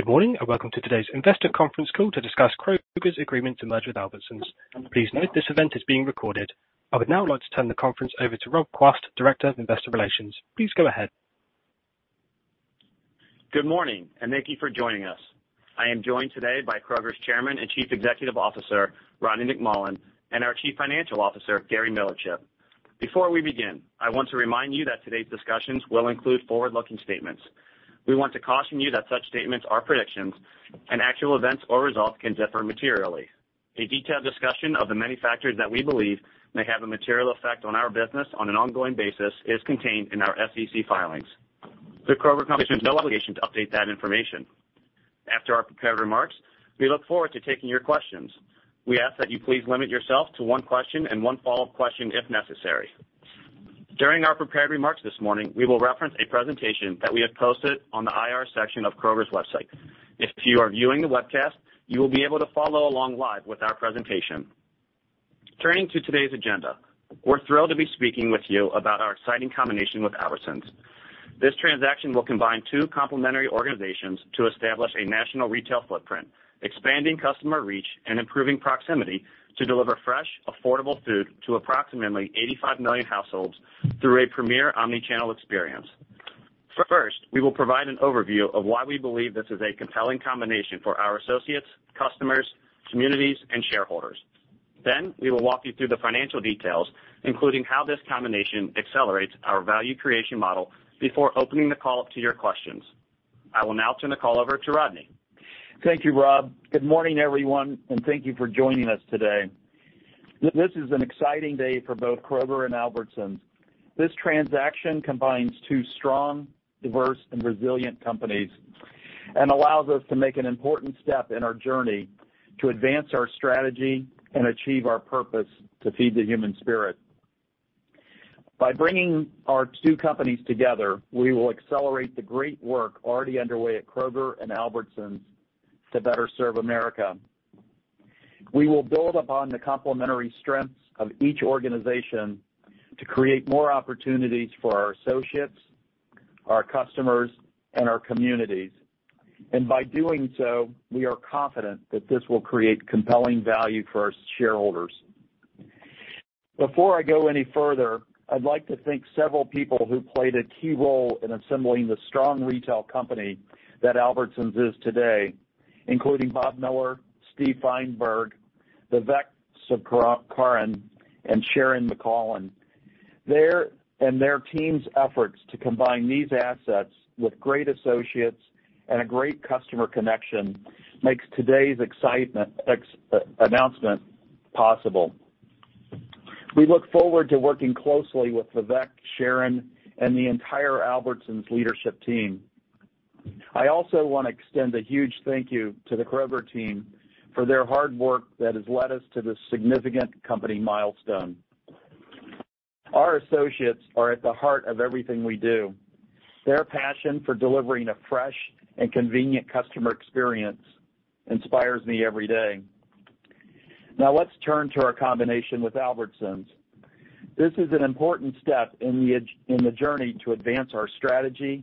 Good morning, and welcome to today's investor conference call to discuss Kroger's agreement to merge with Albertsons. Please note this event is being recorded. I would now like to turn the conference over to Rob Quast, Director of Investor Relations. Please go ahead. Good morning, and thank you for joining us. I am joined today by Kroger's Chairman and Chief Executive Officer, Rodney McMullen, and our Chief Financial Officer, Gary Millerchip. Before we begin, I want to remind you that today's discussions will include forward-looking statements. We want to caution you that such statements are predictions and actual events or results can differ materially. A detailed discussion of the many factors that we believe may have a material effect on our business on an ongoing basis is contained in our SEC filings. The Kroger Company has no obligation to update that information. After our prepared remarks, we look forward to taking your questions. We ask that you please limit yourself to one question and one follow-up question if necessary. During our prepared remarks this morning, we will reference a presentation that we have posted on the IR section of Kroger's website. If you are viewing the webcast, you will be able to follow along live with our presentation. Turning to today's agenda, we're thrilled to be speaking with you about our exciting combination with Albertsons. This transaction will combine two complementary organizations to establish a national retail footprint, expanding customer reach and improving proximity to deliver fresh, affordable food to approximately 85 million households through a premier omni-channel experience. First, we will provide an overview of why we believe this is a compelling combination for our associates, customers, communities, and shareholders. We will walk you through the financial details, including how this combination accelerates our value creation model before opening the call up to your questions. I will now turn the call over to Rodney. Thank you, Rob. Good morning, everyone, and thank you for joining us today. This is an exciting day for both Kroger and Albertsons. This transaction combines two strong, diverse, and resilient companies and allows us to make an important step in our journey to advance our strategy and achieve our purpose to feed the human spirit. By bringing our two companies together, we will accelerate the great work already underway at Kroger and Albertsons to better serve America. We will build upon the complementary strengths of each organization to create more opportunities for our associates, our customers, and our communities. By doing so, we are confident that this will create compelling value for our shareholders. Before I go any further, I'd like to thank several people who played a key role in assembling the strong retail company that Albertsons is today, including Bob Miller, Steve Feinberg, Vivek Sankaran, and Sharon McCollam. Their team's efforts to combine these assets with great associates and a great customer connection makes today's announcement possible. We look forward to working closely with Vivek, Sharon, and the entire Albertsons leadership team. I also wanna extend a huge thank you to the Kroger team for their hard work that has led us to this significant company milestone. Our associates are at the heart of everything we do. Their passion for delivering a fresh and convenient customer experience inspires me every day. Now let's turn to our combination with Albertsons. This is an important step in the journey to advance our strategy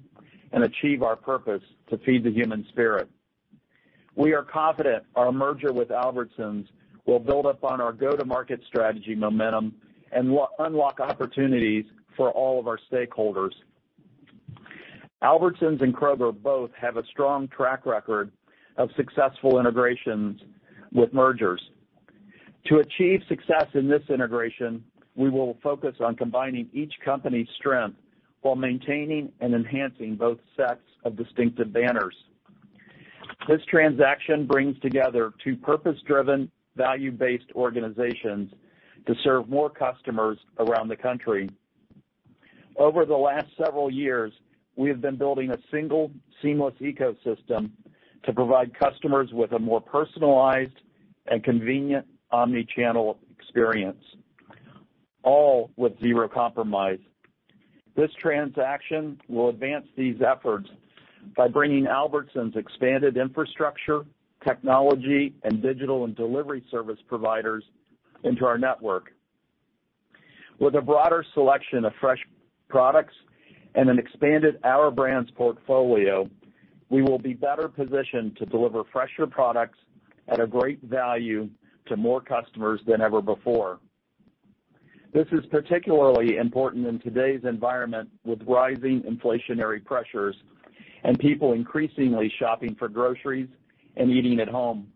and achieve our purpose to feed the human spirit. We are confident our merger with Albertsons will build upon our go-to-market strategy momentum and unlock opportunities for all of our stakeholders. Albertsons and Kroger both have a strong track record of successful integrations with mergers. To achieve success in this integration, we will focus on combining each company's strength while maintaining and enhancing both sets of distinctive banners. This transaction brings together two purpose-driven, value-based organizations to serve more customers around the country. Over the last several years, we have been building a single seamless ecosystem to provide customers with a more personalized and convenient omni-channel experience, all with zero compromise. This transaction will advance these efforts by bringing Albertsons expanded infrastructure, technology, and digital and delivery service providers into our network. With a broader selection of fresh products and an expanded Our Brands portfolio, we will be better positioned to deliver fresher products at a great value to more customers than ever before. This is particularly important in today's environment, with rising inflationary pressures and people increasingly shopping for groceries and eating at home.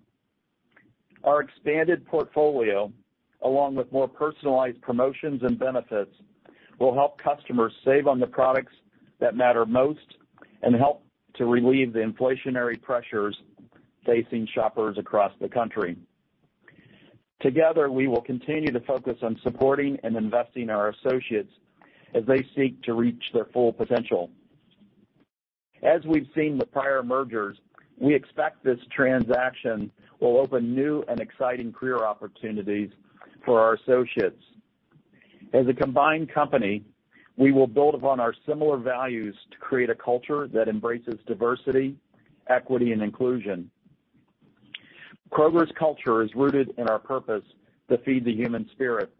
Our expanded portfolio, along with more personalized promotions and benefits, will help customers save on the products that matter most and help to relieve the inflationary pressures facing shoppers across the country. Together, we will continue to focus on supporting and investing our associates as they seek to reach their full potential. As we've seen with prior mergers, we expect this transaction will open new and exciting career opportunities for our associates. As a combined company, we will build upon our similar values to create a culture that embraces diversity, equity, and inclusion. Kroger's culture is rooted in our purpose to feed the human spirit.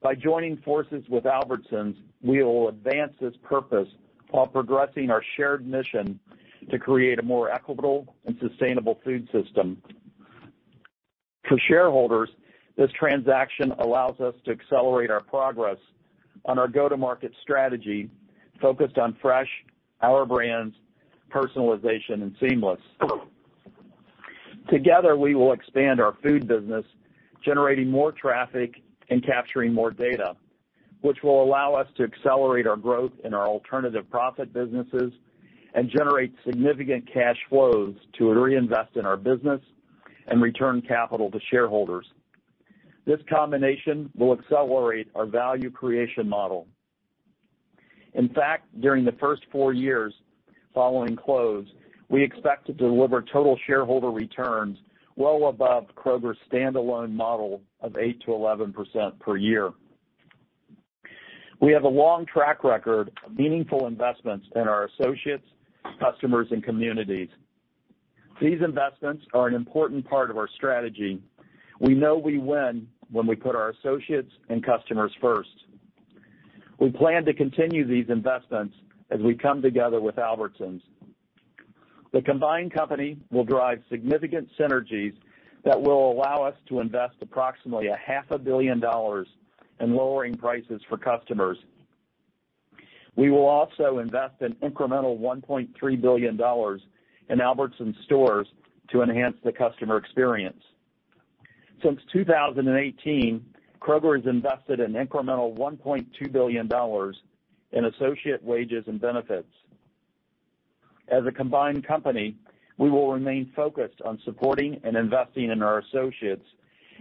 By joining forces with Albertsons, we will advance this purpose while progressing our shared mission to create a more equitable and sustainable food system. For shareholders, this transaction allows us to accelerate our progress on our go-to-market strategy focused on fresh, our brands, personalization, and seamless. Together, we will expand our food business, generating more traffic and capturing more data, which will allow us to accelerate our growth in our alternative profit businesses and generate significant cash flows to reinvest in our business and return capital to shareholders. This combination will accelerate our value creation model. In fact, during the first four years following close, we expect to deliver total shareholder returns well above Kroger's stand-alone model of 8%-11% per year. We have a long track record of meaningful investments in our associates, customers, and communities. These investments are an important part of our strategy. We know we win when we put our associates and customers first. We plan to continue these investments as we come together with Albertsons. The combined company will drive significant synergies that will allow us to invest approximately $0.5 billion in lowering prices for customers. We will also invest an incremental $1.3 billion in Albertsons stores to enhance the customer experience. Since 2018, Kroger has invested an incremental $1.2 billion in associate wages and benefits. As a combined company, we will remain focused on supporting and investing in our associates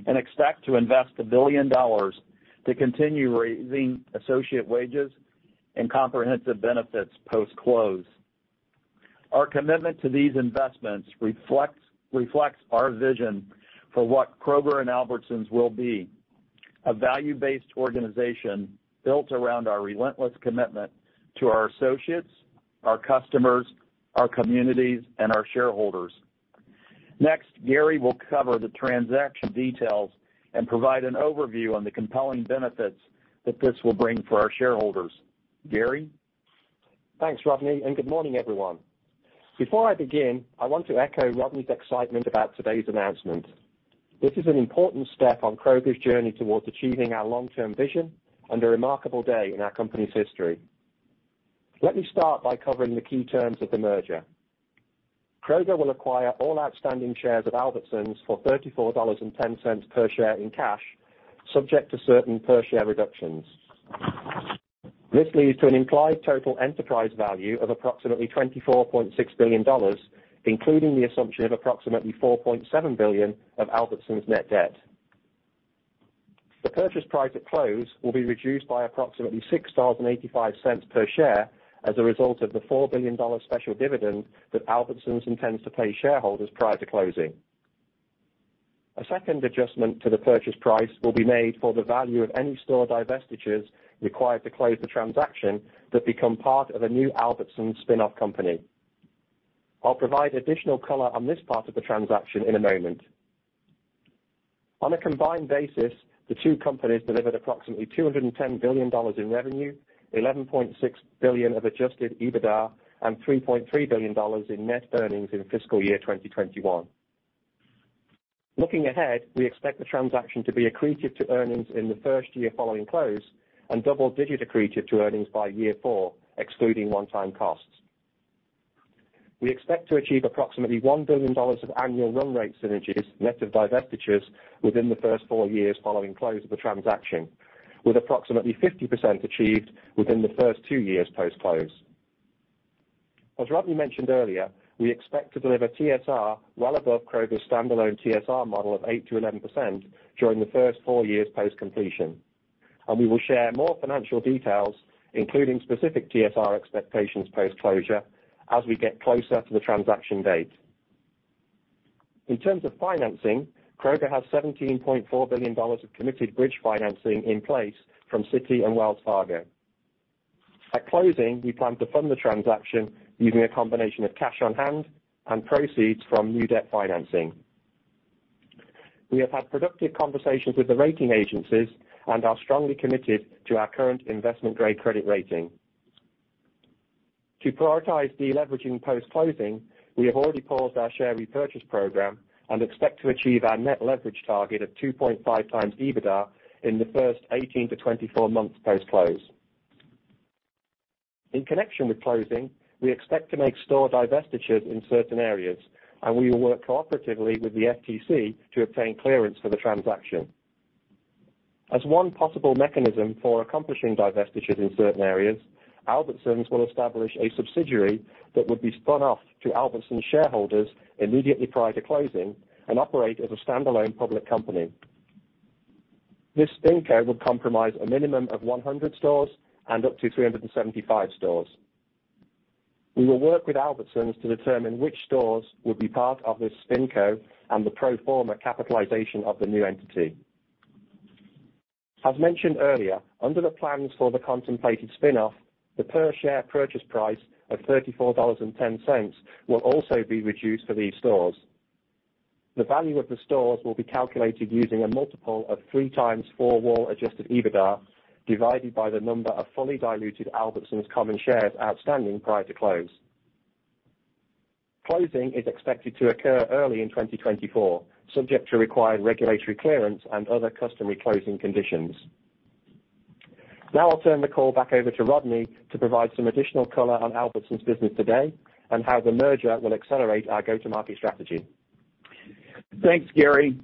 and expect to invest $1 billion to continue raising associate wages and comprehensive benefits post-close. Our commitment to these investments reflects our vision for what Kroger and Albertsons will be. A value-based organization built around our relentless commitment to our associates, our customers, our communities, and our shareholders. Next, Gary will cover the transaction details and provide an overview on the compelling benefits that this will bring for our shareholders. Gary? Thanks, Rodney, and good morning, everyone. Before I begin, I want to echo Rodney's excitement about today's announcement. This is an important step on Kroger's journey towards achieving our long-term vision and a remarkable day in our company's history. Let me start by covering the key terms of the merger. Kroger will acquire all outstanding shares of Albertsons for $34.10 per share in cash, subject to certain per share reductions. This leads to an implied total enterprise value of approximately $24.6 billion, including the assumption of approximately $4.7 billion of Albertsons net debt. The purchase price at close will be reduced by approximately $6.85 per share as a result of the $4 billion special dividend that Albertsons intends to pay shareholders prior to closing. A second adjustment to the purchase price will be made for the value of any store divestitures required to close the transaction that become part of a new Albertsons spin-off company. I'll provide additional color on this part of the transaction in a moment. On a combined basis, the two companies delivered approximately $210 billion in revenue, $11.6 billion of Adjusted EBITDA, and $3.3 billion in net earnings in fiscal year 2021. Looking ahead, we expect the transaction to be accretive to earnings in the first year following close and double-digit accretive to earnings by year four, excluding one-time costs. We expect to achieve approximately $1 billion of annual run rate synergies net of divestitures within the first four years following close of the transaction, with approximately 50% achieved within the first two years post-close. As Rodney mentioned earlier, we expect to deliver TSR well above Kroger's stand-alone TSR model of 8%-11% during the first four years post-completion, and we will share more financial details, including specific TSR expectations post-closure, as we get closer to the transaction date. In terms of financing, Kroger has $17.4 billion of committed bridge financing in place from Citi and Wells Fargo. At closing, we plan to fund the transaction using a combination of cash on hand and proceeds from new debt financing. We have had productive conversations with the rating agencies and are strongly committed to our current investment-grade credit rating. To prioritize deleveraging post-closing, we have already paused our share repurchase program and expect to achieve our net leverage target of 2.5x EBITDA in the first 18-24 months post-close. In connection with closing, we expect to make store divestitures in certain areas, and we will work cooperatively with the FTC to obtain clearance for the transaction. As one possible mechanism for accomplishing divestitures in certain areas, Albertsons will establish a subsidiary that would be spun off to Albertsons shareholders immediately prior to closing and operate as a stand-alone public company. This SpinCo would comprise a minimum of 100 stores and up to 375 stores. We will work with Albertsons to determine which stores will be part of this SpinCo and the pro forma capitalization of the new entity. As mentioned earlier, under the plans for the contemplated spin-off, the per share purchase price of $34.10 will also be reduced for these stores. The value of the stores will be calculated using a multiple of three times Four-Wall Adjusted EBITDA, divided by the number of fully diluted Albertsons common shares outstanding prior to close. Closing is expected to occur early in 2024, subject to required regulatory clearance and other customary closing conditions. Now I'll turn the call back over to Rodney to provide some additional color on Albertsons' business today and how the merger will accelerate our go-to-market strategy. Thanks, Gary.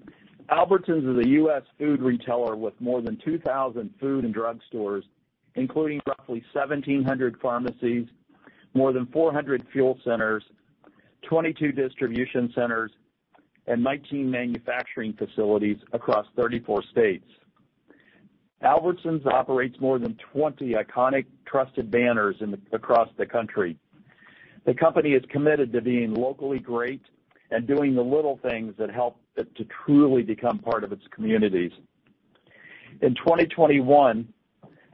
Albertsons is a U.S. food retailer with more than 2,000 food and drug stores, including roughly 1,700 pharmacies, more than 400 fuel centers, 22 distribution centers, and 19 manufacturing facilities across 34 states. Albertsons operates more than 20 iconic trusted banners across the country. The company is committed to being locally great and doing the little things that help it to truly become part of its communities. In 2021,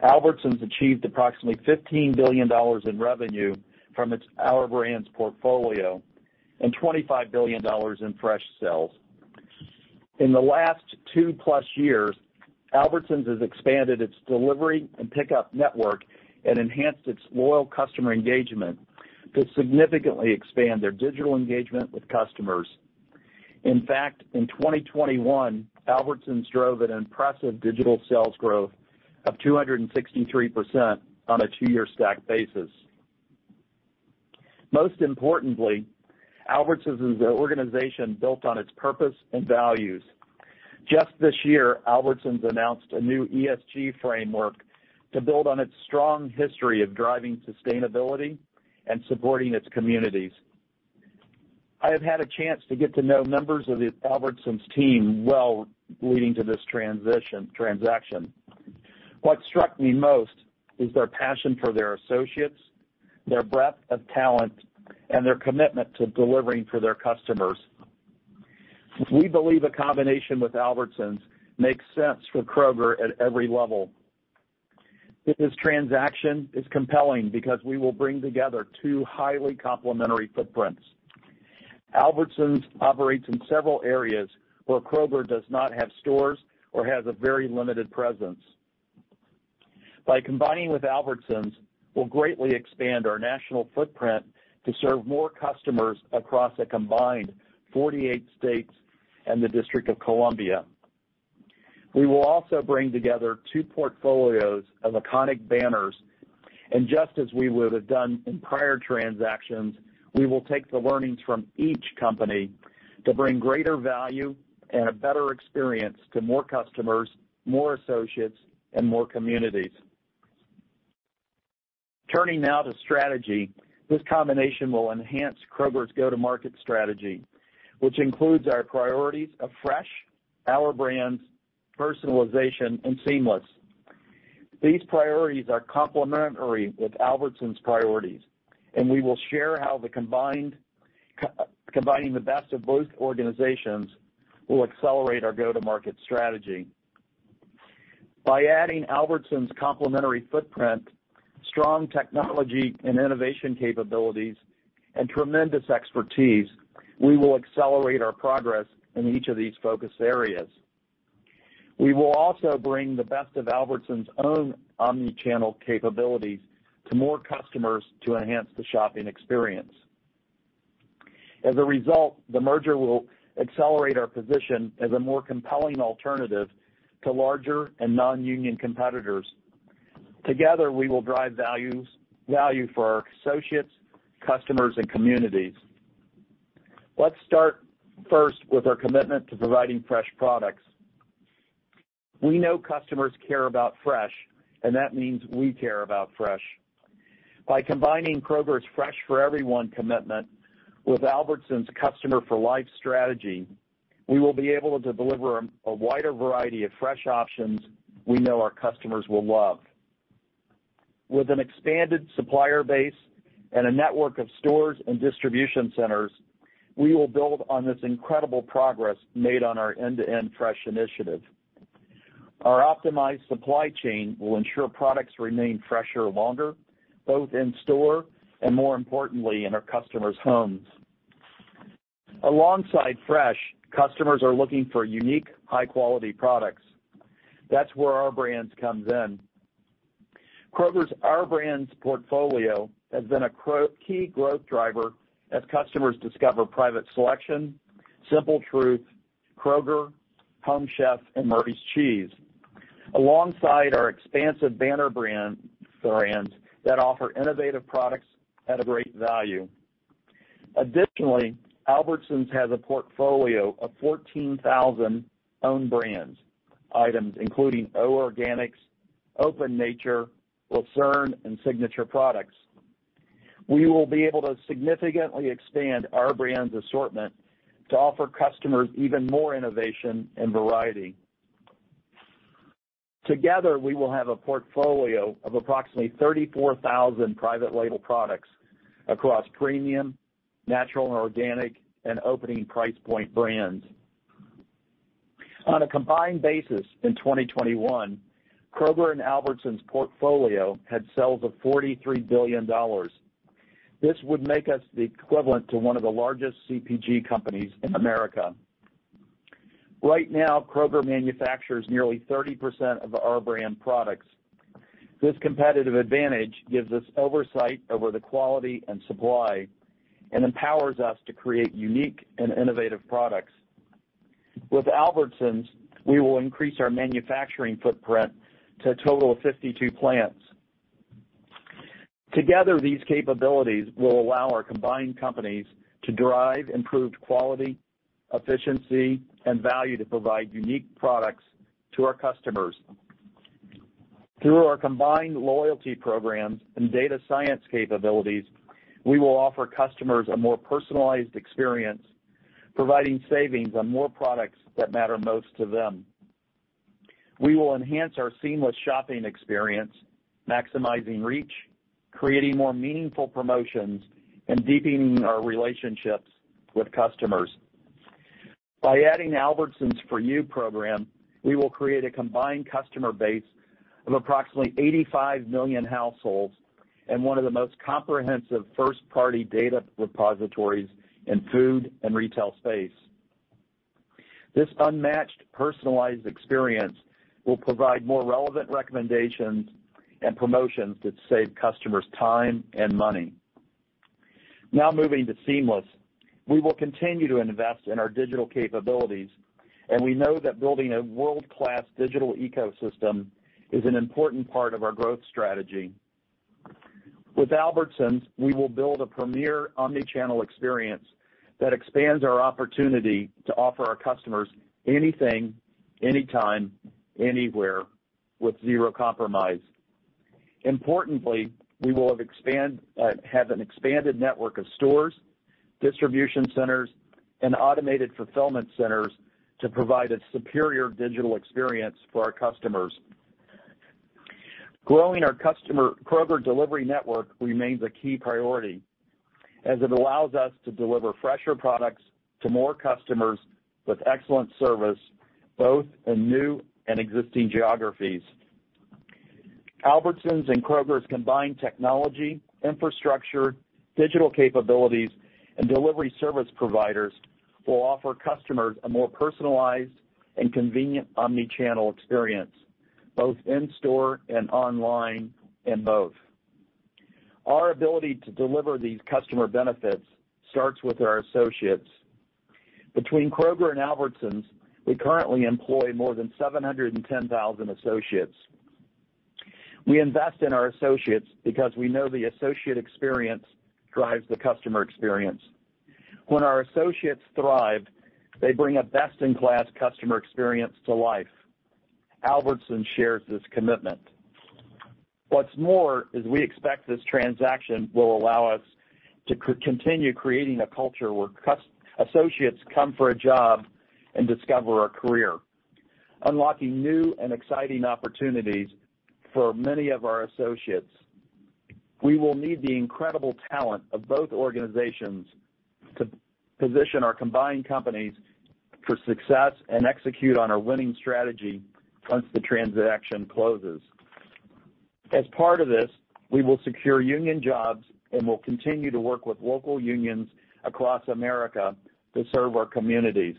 Albertsons achieved approximately $15 billion in revenue from its Our Brands portfolio and $25 billion in fresh sales. In the last two plus years, Albertsons has expanded its delivery and pickup network and enhanced its loyal customer engagement to significantly expand their digital engagement with customers. In fact, in 2021, Albertsons drove an impressive digital sales growth of 263% on a two-year stack basis. Most importantly, Albertsons is an organization built on its purpose and values. Just this year, Albertsons announced a new ESG framework to build on its strong history of driving sustainability and supporting its communities. I have had a chance to get to know members of the Albertsons team well leading to this transaction. What struck me most is their passion for their associates, their breadth of talent, and their commitment to delivering for their customers. We believe a combination with Albertsons makes sense for Kroger at every level. This transaction is compelling because we will bring together two highly complementary footprints. Albertsons operates in several areas where Kroger does not have stores or has a very limited presence. By combining with Albertsons, we'll greatly expand our national footprint to serve more customers across a combined 48 states and the District of Columbia. We will also bring together two portfolios of iconic banners, and just as we would have done in prior transactions, we will take the learnings from each company to bring greater value and a better experience to more customers, more associates, and more communities. Turning now to strategy. This combination will enhance Kroger's go-to-market strategy, which includes our priorities of fresh, Our Brands, personalization, and seamless. These priorities are complementary with Albertsons priorities, and we will share how the combining the best of both organizations will accelerate our go-to-market strategy. By adding Albertsons complementary footprint, strong technology and innovation capabilities, and tremendous expertise, we will accelerate our progress in each of these focus areas. We will also bring the best of Albertsons own omni-channel capabilities to more customers to enhance the shopping experience. As a result, the merger will accelerate our position as a more compelling alternative to larger and non-union competitors. Together, we will drive value for our associates, customers, and communities. Let's start first with our commitment to providing fresh products. We know customers care about fresh, and that means we care about fresh. By combining Kroger's Fresh for Everyone commitment with Albertsons Customer for Life strategy, we will be able to deliver a wider variety of fresh options we know our customers will love. With an expanded supplier base and a network of stores and distribution centers, we will build on this incredible progress made on our end-to-end fresh initiative. Our optimized supply chain will ensure products remain fresher longer, both in store and, more importantly, in our customers' homes. Alongside fresh, customers are looking for unique, high-quality products. That's where Our Brands comes in. Kroger's Our Brands portfolio has been a key growth driver as customers discover Private Selection, Simple Truth, Kroger, Home Chef, and Murray's Cheese. Alongside our expansive banner brands that offer innovative products at a great value. Additionally, Albertsons has a portfolio of 14,000 own brands, items including O Organics, Open Nature, Lucerne, and Signature SELECT. We will be able to significantly expand Our Brands assortment to offer customers even more innovation and variety. Together, we will have a portfolio of approximately 34,000 private label products across premium, natural and organic and opening price point brands. On a combined basis in 2021, Kroger and Albertsons portfolio had sales of $43 billion. This would make us the equivalent to one of the largest CPG companies in America. Right now, Kroger manufactures nearly 30% of our brand products. This competitive advantage gives us oversight over the quality and supply and empowers us to create unique and innovative products. With Albertsons, we will increase our manufacturing footprint to a total of 52 plants. Together, these capabilities will allow our combined companies to drive improved quality, efficiency and value to provide unique products to our customers. Through our combined loyalty programs and data science capabilities, we will offer customers a more personalized experience, providing savings on more products that matter most to them. We will enhance our seamless shopping experience, maximizing reach, creating more meaningful promotions, and deepening our relationships with customers. By adding Albertsons for U program, we will create a combined customer base of approximately 85 million households and one of the most comprehensive first-party data repositories in food and retail space. This unmatched personalized experience will provide more relevant recommendations and promotions that save customers time and money. Now moving to seamless. We will continue to invest in our digital capabilities, and we know that building a world-class digital ecosystem is an important part of our growth strategy. With Albertsons, we will build a premier omni-channel experience that expands our opportunity to offer our customers anything, anytime, anywhere with zero compromise. Importantly, we will have an expanded network of stores, distribution centers and automated fulfillment centers to provide a superior digital experience for our customers. Growing our Kroger Delivery network remains a key priority as it allows us to deliver fresher products to more customers with excellent service, both in new and existing geographies. Albertsons and Kroger's combined technology, infrastructure, digital capabilities and delivery service providers will offer customers a more personalized and convenient omni-channel experience, both in store and online, and both. Our ability to deliver these customer benefits starts with our associates. Between Kroger and Albertsons, we currently employ more than 710,000 associates. We invest in our associates because we know the associate experience drives the customer experience. When our associates thrive, they bring a best in class customer experience to life. Albertsons shares this commitment. What's more is we expect this transaction will allow us to continue creating a culture where associates come for a job and discover a career, unlocking new and exciting opportunities for many of our associates. We will need the incredible talent of both organizations to position our combined companies for success and execute on our winning strategy once the transaction closes. As part of this, we will secure union jobs and will continue to work with local unions across America to serve our communities.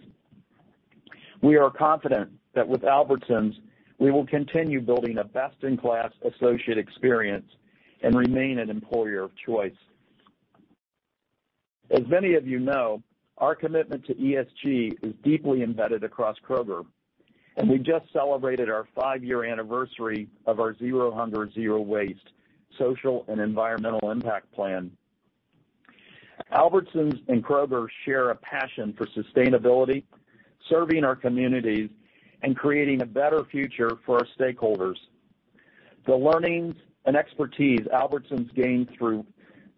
We are confident that with Albertsons, we will continue building a best in class associate experience and remain an employer of choice. As many of you know, our commitment to ESG is deeply embedded across Kroger, and we just celebrated our five-year anniversary of our Zero Hunger Zero Waste social and environmental impact plan. Albertsons and Kroger share a passion for sustainability, serving our communities and creating a better future for our stakeholders. The learnings and expertise Albertsons gained through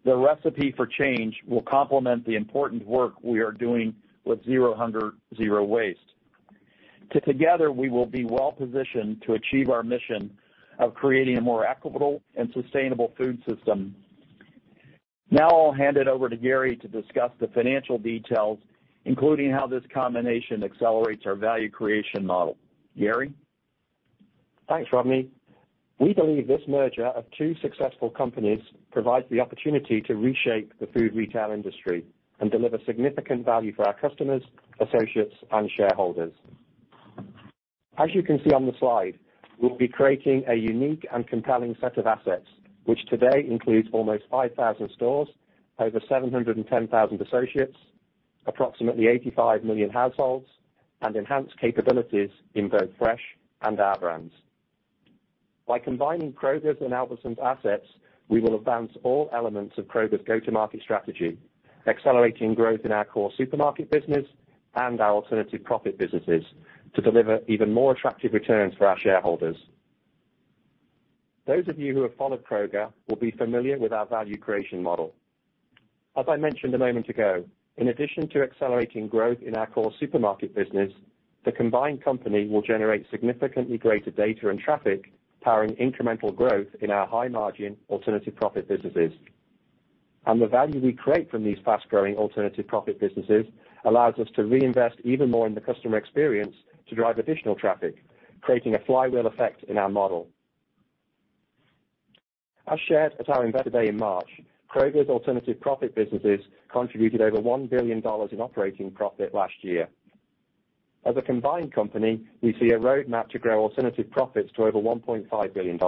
the Recipe for Change will complement the important work we are doing with Zero Hunger, Zero Waste. Together, we will be well positioned to achieve our mission of creating a more equitable and sustainable food system. Now I'll hand it over to Gary to discuss the financial details, including how this combination accelerates our value creation model. Gary? Thanks, Rodney. We believe this merger of two successful companies provides the opportunity to reshape the food retail industry and deliver significant value for our customers, associates, and shareholders. As you can see on the slide, we'll be creating a unique and compelling set of assets, which today includes almost 5,000 stores, over 710,000 associates, approximately 85 million households and enhanced capabilities in both fresh and our brands. By combining Kroger's and Albertsons assets, we will advance all elements of Kroger's go-to-market strategy, accelerating growth in our core supermarket business and our alternative profit businesses to deliver even more attractive returns for our shareholders. Those of you who have followed Kroger will be familiar with our value creation model. As I mentioned a moment ago, in addition to accelerating growth in our core supermarket business. The combined company will generate significantly greater data and traffic, powering incremental growth in our high margin alternative profit businesses. The value we create from these fast-growing alternative profit businesses allows us to reinvest even more in the customer experience to drive additional traffic, creating a flywheel effect in our model. As shared at our Investor Day in March, Kroger's alternative profit businesses contributed over $1 billion in operating profit last year. As a combined company, we see a roadmap to grow alternative profits to over $1.5 billion.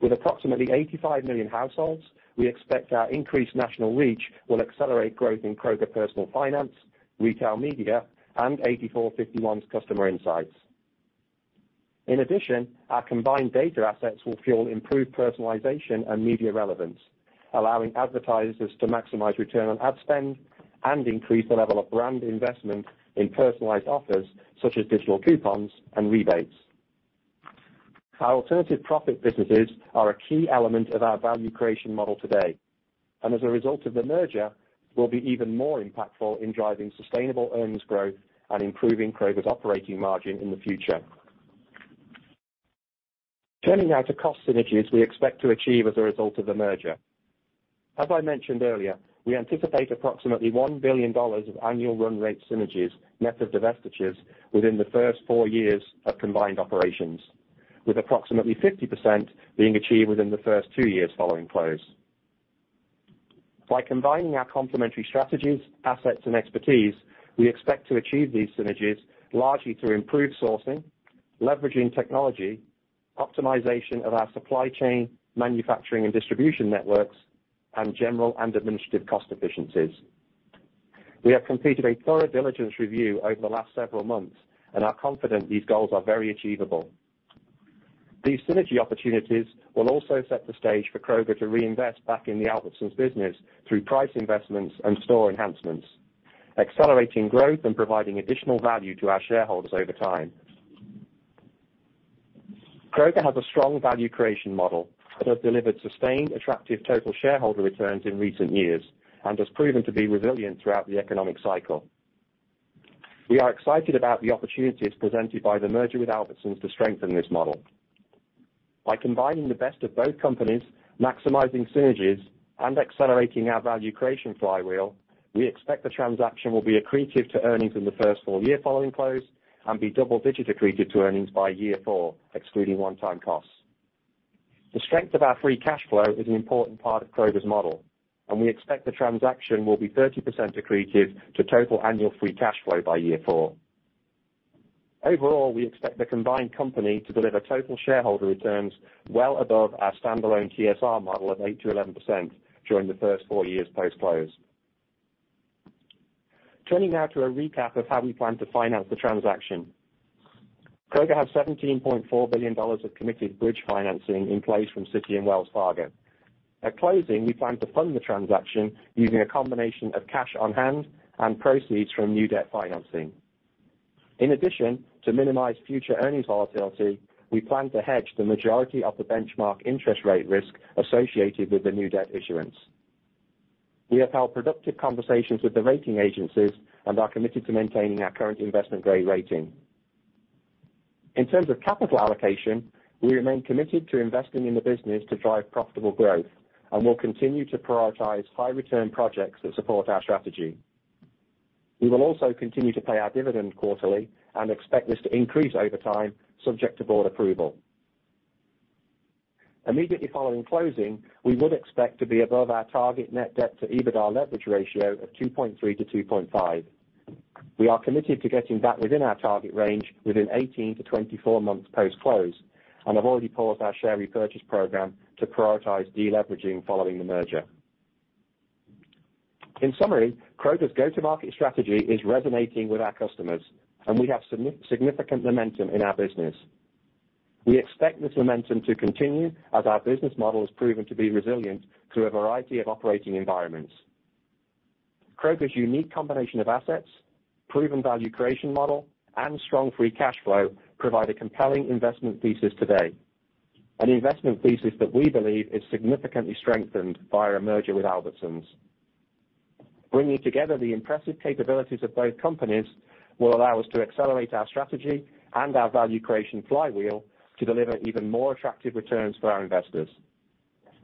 With approximately 85 million households, we expect our increased national reach will accelerate growth in Kroger Personal Finance, Retail Media, and 84.51°'s customer insights. In addition, our combined data assets will fuel improved personalization and media relevance, allowing advertisers to maximize return on ad spend and increase the level of brand investment in personalized offers such as digital coupons and rebates. Our alternative profit businesses are a key element of our value creation model today. As a result of the merger, will be even more impactful in driving sustainable earnings growth and improving Kroger's operating margin in the future. Turning now to cost synergies we expect to achieve as a result of the merger. As I mentioned earlier, we anticipate approximately $1 billion of annual run rate synergies, net of divestitures, within the first four years of combined operations, with approximately 50% being achieved within the first two years following close. By combining our complementary strategies, assets and expertise, we expect to achieve these synergies largely through improved sourcing, leveraging technology, optimization of our supply chain, manufacturing and distribution networks, and general and administrative cost efficiencies. We have completed a thorough diligence review over the last several months and are confident these goals are very achievable. These synergy opportunities will also set the stage for Kroger to reinvest back in the Albertsons business through price investments and store enhancements, accelerating growth and providing additional value to our shareholders over time. Kroger has a strong value creation model that has delivered sustained, attractive total shareholder returns in recent years and has proven to be resilient throughout the economic cycle. We are excited about the opportunities presented by the merger with Albertsons to strengthen this model. By combining the best of both companies, maximizing synergies, and accelerating our value creation flywheel, we expect the transaction will be accretive to earnings in the first full year following close and be double-digit accretive to earnings by year four, excluding one-time costs. The strength of our free cash flow is an important part of Kroger's model, and we expect the transaction will be 30% accretive to total annual free cash flow by year four. Overall, we expect the combined company to deliver total shareholder returns well above our standalone TSR model of 8%-11% during the first four years post-close. Turning now to a recap of how we plan to finance the transaction. Kroger has $17.4 billion of committed bridge financing in place from Citi and Wells Fargo. At closing, we plan to fund the transaction using a combination of cash on hand and proceeds from new debt financing. In addition, to minimize future earnings volatility, we plan to hedge the majority of the benchmark interest rate risk associated with the new debt issuance. We have held productive conversations with the rating agencies and are committed to maintaining our current investment grade rating. In terms of capital allocation, we remain committed to investing in the business to drive profitable growth, and we'll continue to prioritize high return projects that support our strategy. We will also continue to pay our dividend quarterly and expect this to increase over time subject to board approval. Immediately following closing, we would expect to be above our target net debt to EBITDA leverage ratio of 2.3-2.5. We are committed to getting back within our target range within 18-24 months post-close, and have already paused our share repurchase program to prioritize deleveraging following the merger. In summary, Kroger's go-to-market strategy is resonating with our customers, and we have significant momentum in our business. We expect this momentum to continue as our business model has proven to be resilient through a variety of operating environments. Kroger's unique combination of assets, proven value creation model, and strong free cash flow provide a compelling investment thesis today, an investment thesis that we believe is significantly strengthened by our merger with Albertsons. Bringing together the impressive capabilities of both companies will allow us to accelerate our strategy and our value creation flywheel to deliver even more attractive returns for our investors.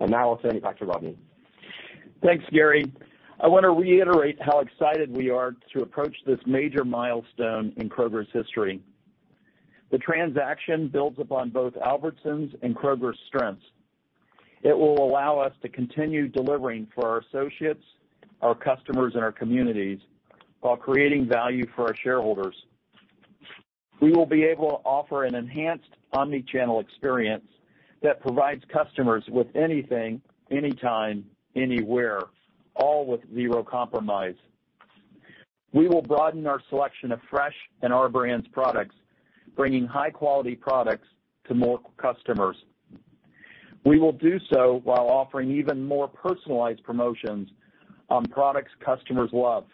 Now I'll turn it back to Rodney. Thanks, Gary. I want to reiterate how excited we are to approach this major milestone in Kroger's history. The transaction builds upon both Albertsons and Kroger's strengths. It will allow us to continue delivering for our associates, our customers, and our communities while creating value for our shareholders. We will be able to offer an enhanced omni-channel experience that provides customers with anything, anytime, anywhere, all with zero compromise. We will broaden our selection of fresh and Our Brands products, bringing high-quality products to more customers. We will do so while offering even more personalized promotions on products customers love.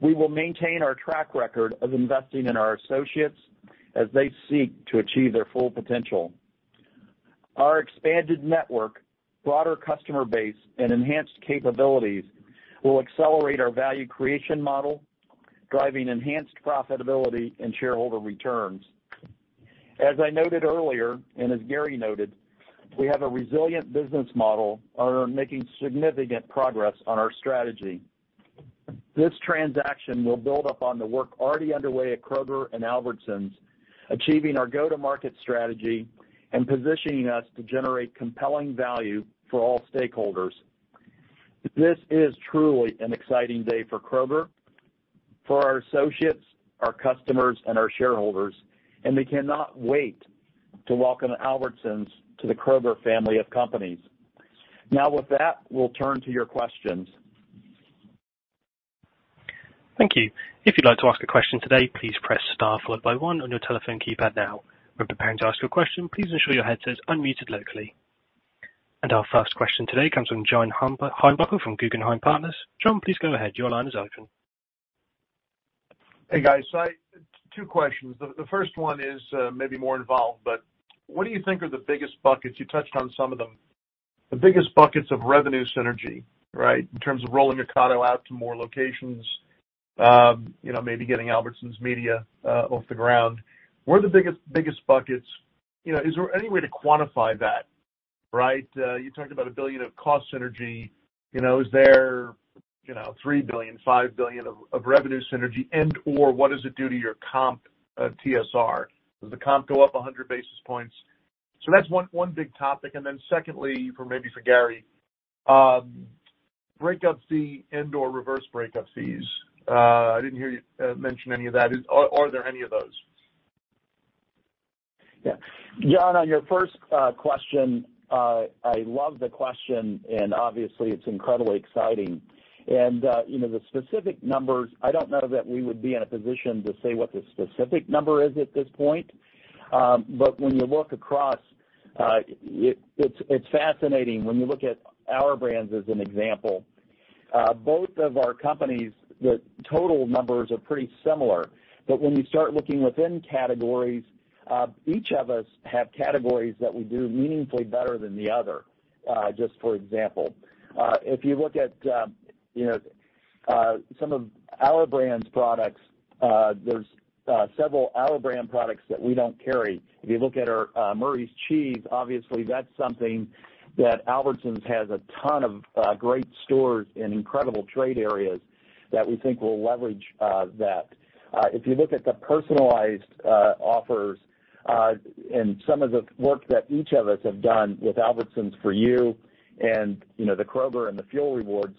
We will maintain our track record of investing in our associates as they seek to achieve their full potential. Our expanded network, broader customer base, and enhanced capabilities will accelerate our value creation model, driving enhanced profitability and shareholder returns. As I noted earlier, and as Gary noted, we have a resilient business model and are making significant progress on our strategy. This transaction will build upon the work already underway at Kroger and Albertsons, achieving our go-to-market strategy and positioning us to generate compelling value for all stakeholders. This is truly an exciting day for Kroger, for our associates, our customers, and our shareholders, and we cannot wait to welcome Albertsons to the Kroger family of companies. Now with that, we'll turn to your questions. Thank you. If you'd like to ask a question today, please press star followed by one on your telephone keypad now. When preparing to ask your question, please ensure your headset's unmuted locally. Our first question today comes from John Heinbockel from Guggenheim Securities. John, please go ahead. Your line is open. Hey, guys. Two questions. The first one is maybe more involved, but what do you think are the biggest buckets? You touched on some of them. The biggest buckets of revenue synergy, right, in terms of rolling Ocado out to more locations, you know, maybe getting Albertsons Media off the ground. What are the biggest buckets? You know, is there any way to quantify that, right? You talked about $1 billion of cost synergy, you know, is there $3 billion, $5 billion of revenue synergy and/or what does it do to your comp, TSR? Does the comp go up 100 basis points? That's one big topic. Then secondly, for Gary, breakup fee and/or reverse breakup fees. I didn't hear you mention any of that. Are there any of those? Yeah. John, on your first question, I love the question, and obviously it's incredibly exciting. You know, the specific numbers, I don't know that we would be in a position to say what the specific number is at this point. But when you look across, it's fascinating when you look at Our Brands as an example. Both of our companies, the total numbers are pretty similar. But when you start looking within categories, each of us have categories that we do meaningfully better than the other, just for example. If you look at, you know, some of Our Brands products, there's several Our Brands products that we don't carry. If you look at our Murray's Cheese, obviously that's something that Albertsons has a ton of great stores and incredible trade areas that we think will leverage that. If you look at the personalized offers and some of the work that each of us have done with Albertsons for U and, you know, the Kroger and the Fuel Points,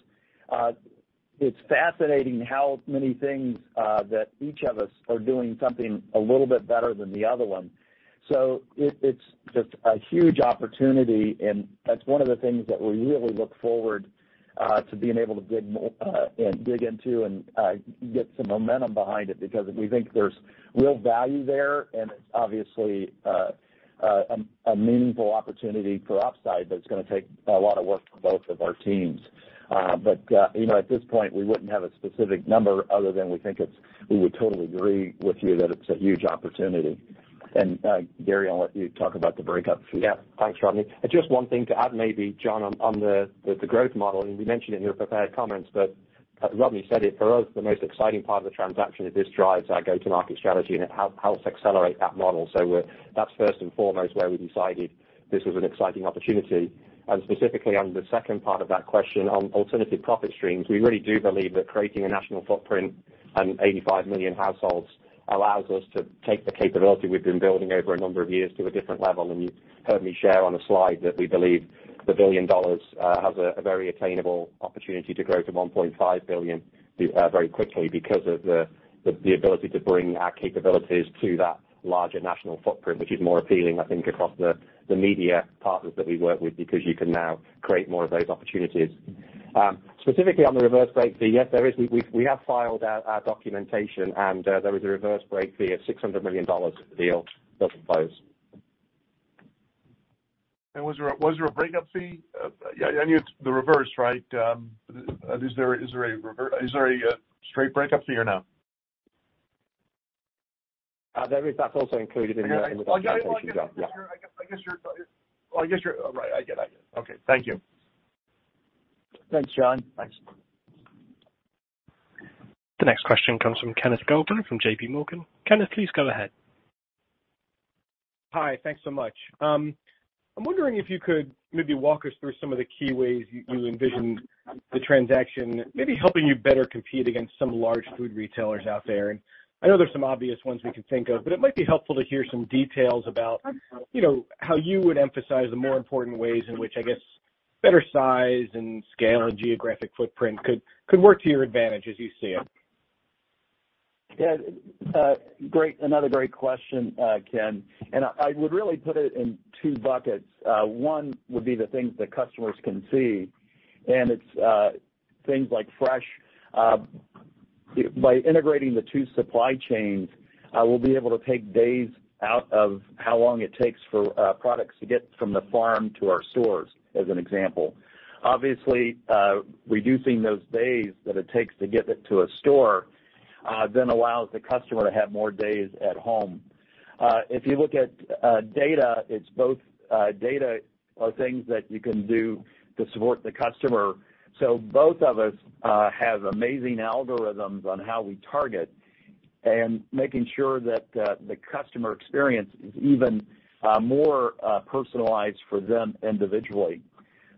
it's fascinating how many things that each of us are doing something a little bit better than the other one. It's just a huge opportunity, and that's one of the things that we really look forward to being able to dig into and get some momentum behind it because we think there's real value there, and it's obviously a meaningful opportunity for upside, but it's gonna take a lot of work from both of our teams. You know, at this point, we wouldn't have a specific number other than we think it's. We would totally agree with you that it's a huge opportunity. Gary, I'll let you talk about the breakup fee. Yeah. Thanks, Rodney. Just one thing to add maybe, John, on the growth model, and we mentioned it in your prepared comments, but as Rodney said it, for us, the most exciting part of the transaction is this drives our go-to-market strategy and helps accelerate that model. So that's first and foremost why we decided this was an exciting opportunity. Specifically on the second part of that question on alternative profit streams, we really do believe that creating a national footprint and 85 million households allows us to take the capability we've been building over a number of years to a different level. You've heard me share on a slide that we believe the $1 billion has a very attainable opportunity to grow to $1.5 billion very quickly because of the ability to bring our capabilities to that larger national footprint, which is more appealing, I think, across the media partners that we work with, because you can now create more of those opportunities. Specifically on the reverse break fee, yes, there is. We have filed our documentation, and there is a reverse break fee of $600 million if the deal doesn't close. Was there a breakup fee? Yeah, I know it's the reverse, right? Is there a straight breakup fee or no? There is. That's also included in the documentation, John. Yeah. I guess you're right. I get it. Okay. Thank you. Thanks, John. Thanks. The next question comes from Kenneth Goldman from J.P. Morgan. Kenneth, please go ahead. Hi. Thanks so much. I'm wondering if you could maybe walk us through some of the key ways you envision the transaction, maybe helping you better compete against some large food retailers out there. I know there's some obvious ones we can think of, but it might be helpful to hear some details about, you know, how you would emphasize the more important ways in which, I guess, better size and scale and geographic footprint could work to your advantage as you see it. Yeah. Great. Another great question, Ken. I would really put it in two buckets. One would be the things that customers can see, and it's things like fresh. By integrating the two supply chains, we'll be able to take days out of how long it takes for products to get from the farm to our stores, as an example. Obviously, reducing those days that it takes to get it to a store then allows the customer to have more days at home. If you look at data, it's both data and things that you can do to support the customer. Both of us have amazing algorithms on how we target and making sure that the customer experience is even more personalized for them individually.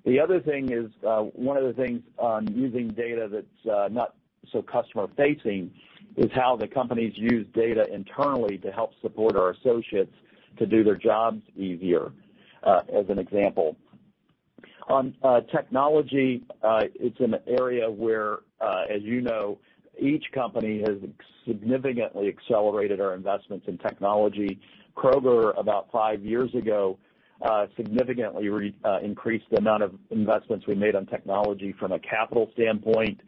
The other thing is, one of the things on using data that's not so customer facing is how the companies use data internally to help support our associates to do their jobs easier, as an example. On technology, it's an area where, as you know, each company has significantly accelerated our investments in technology. Kroger about five years ago, significantly increased the amount of investments we made on technology from a capital standpoint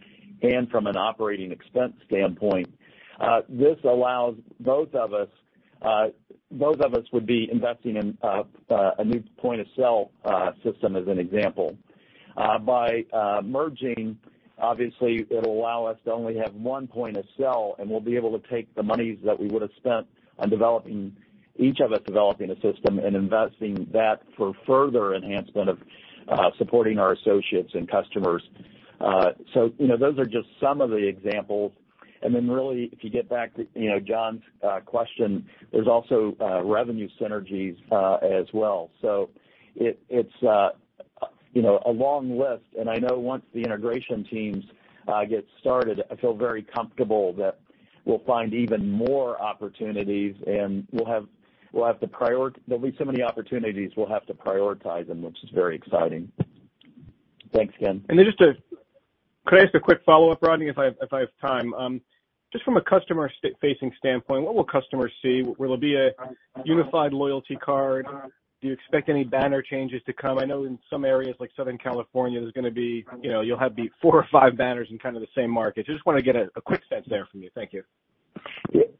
and from an operating expense standpoint. This allows both of us would be investing in a new point of sale system as an example. By merging, obviously it'll allow us to only have one point of sale, and we'll be able to take the monies that we would have spent on developing each of us developing a system and investing that for further enhancement of supporting our associates and customers. You know, those are just some of the examples. Really, if you get back to you know John's question, there's also revenue synergies as well. It's you know a long list. I know once the integration teams get started, I feel very comfortable that we'll find even more opportunities, and we'll have to prioritize. There'll be so many opportunities we'll have to prioritize, which is very exciting. Thanks, Ken. Could I ask a quick follow-up, Rodney, if I have time? Just from a customer-facing standpoint, what will customers see? Will there be a unified loyalty card? Do you expect any banner changes to come? I know in some areas like Southern California, there's gonna be, you know, you'll have the four or five banners in kind of the same market. Just wanna get a quick sense there from you. Thank you.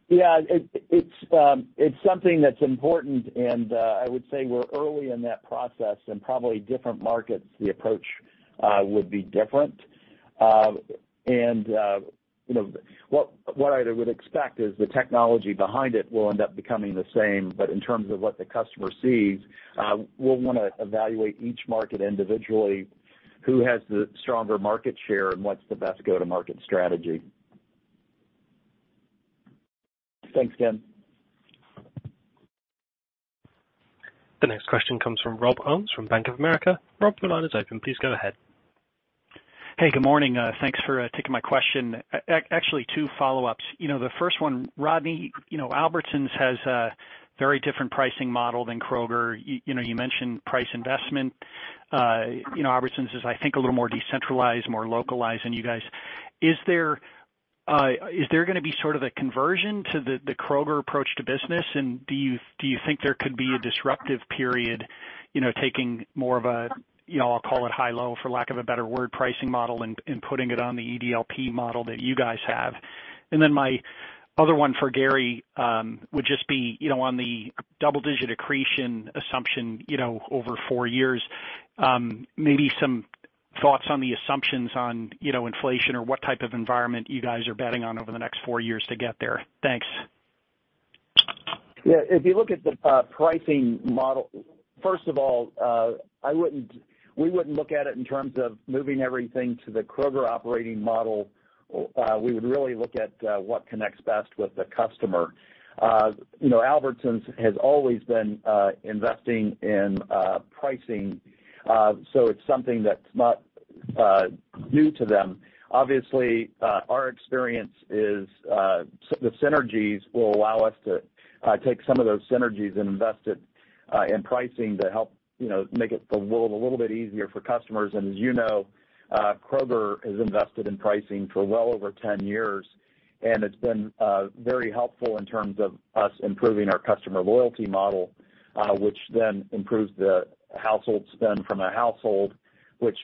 Yeah, it's something that's important, and I would say we're early in that process and probably different markets, the approach would be different. You know, what I would expect is the technology behind it will end up becoming the same. In terms of what the customer sees, we'll wanna evaluate each market individually, who has the stronger market share and what's the best go-to-market strategy. Thanks, Ken. The next question comes from Robert Dimond from Bank of America. Rob, the line is open. Please go ahead. Hey, good morning. Thanks for taking my question. Actually two follow-ups. You know, the first one, Rodney, you know, Albertsons has a very different pricing model than Kroger. You know, you mentioned price investment. You know, Albertsons is, I think, a little more decentralized, more localized than you guys. Is there gonna be sort of a conversion to the Kroger approach to business? Do you think there could be a disruptive period, you know, taking more of a, you know, I'll call it high-low, for lack of a better word, pricing model and putting it on the EDLP model that you guys have? My other one for Gary would just be, you know, on the double digit accretion assumption, you know, over four years, maybe some thoughts on the assumptions on, you know, inflation or what type of environment you guys are betting on over the next four years to get there? Thanks. Yeah. If you look at the pricing model, first of all, we wouldn't look at it in terms of moving everything to the Kroger operating model. We would really look at what connects best with the customer. You know, Albertsons has always been investing in pricing. So it's something that's not new to them. Obviously, our experience is the synergies will allow us to take some of those synergies and invest it in pricing to help, you know, make the world a little bit easier for customers. As you know, Kroger has invested in pricing for well over 10 years, and it's been very helpful in terms of us improving our customer loyalty model, which then improves the household spend per household, which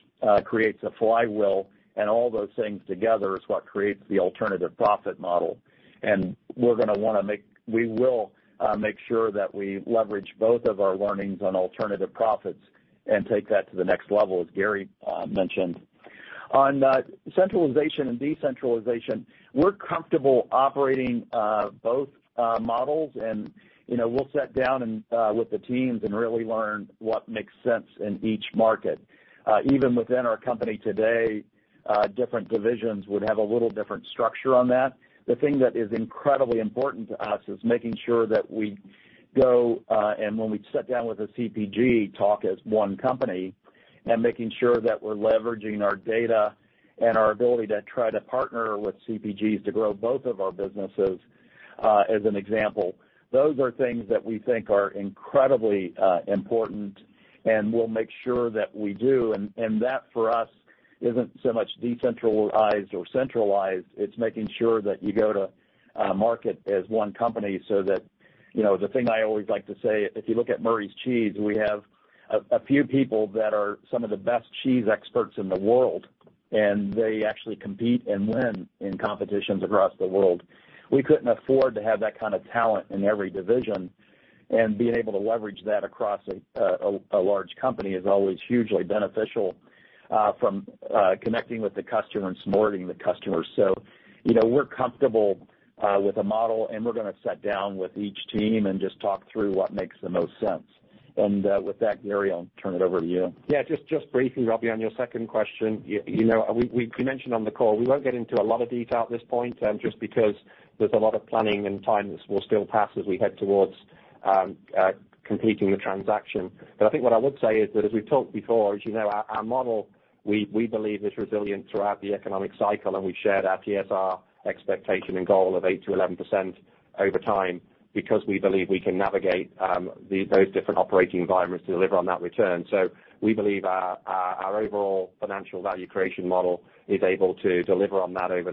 creates a flywheel. All those things together is what creates the alternative profit model. We will make sure that we leverage both of our learnings on alternative profits and take that to the next level, as Gary mentioned. On centralization and decentralization, we're comfortable operating both models. You know, we'll sit down with the teams and really learn what makes sense in each market. Even within our company today, different divisions would have a little different structure on that. The thing that is incredibly important to us is making sure that we go and when we sit down with a CPG, talk as one company, and making sure that we're leveraging our data and our ability to try to partner with CPGs to grow both of our businesses, as an example. Those are things that we think are incredibly important, and we'll make sure that we do. That, for us, isn't so much decentralized or centralized. It's making sure that you go to market as one company so that, you know, the thing I always like to say, if you look at Murray's Cheese, we have a few people that are some of the best cheese experts in the world, and they actually compete and win in competitions across the world. We couldn't afford to have that kind of talent in every division, and being able to leverage that across a large company is always hugely beneficial from connecting with the customer and supporting the customer. You know, we're comfortable with the model, and we're gonna sit down with each team and just talk through what makes the most sense. with that, Gary, I'll turn it over to you. Yeah, just briefly, Robbie, on your second question. You know, we mentioned on the call, we won't get into a lot of detail at this point, just because there's a lot of planning and time that will still pass as we head towards completing the transaction. I think what I would say is that as we've talked before, as you know, our model, we believe is resilient throughout the economic cycle, and we've shared our TSR expectation and goal of 8%-11% over time because we believe we can navigate those different operating environments to deliver on that return. We believe our overall financial value creation model is able to deliver on that over